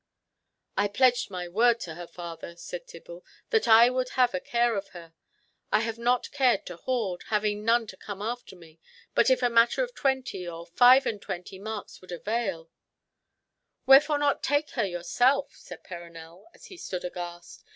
"I pledged my word to her father," said Tibble, "that I would have a care of her. I have not cared to hoard, having none to come after me, but if a matter of twenty or five and twenty marks would avail—" "Wherefore not take her yourself?" said Perronel, as he stood aghast.